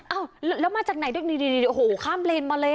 อ้าวแล้วมาจากไหนโอ้โหข้ามเลนมาเลย